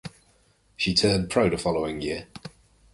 She turned pro the following year.